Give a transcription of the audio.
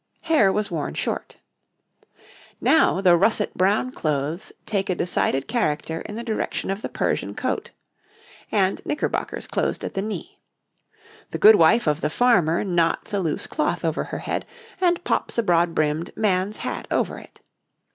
Hair was worn short. Now the russet brown clothes take a decided character in the direction of the Persian coat and knickerbockers closed at the knee. The good wife of the farmer knots a loose cloth over her head, and pops a broad brimmed man's hat over it.